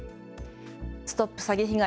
ＳＴＯＰ詐欺被害！